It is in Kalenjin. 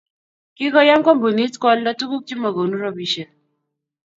Kigoyan kampunit koalda tuguk chemagonu robishiek